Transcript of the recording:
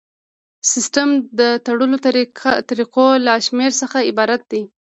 سیسټم د تړلو طریقو له شمیر څخه عبارت دی.